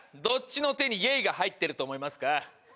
どっちの手にイェイが入ってると思いますか？